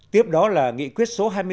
tiếp đó là nghị quyết số hai mươi ba